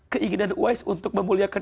keinginan uwais untuk memuliakan saya